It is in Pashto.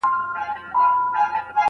کور مو اباد او خوشحاله اوسئ.